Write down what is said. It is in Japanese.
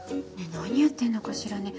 何やってんのかしらね？